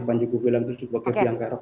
panji gumilang itu sebagai biang kerok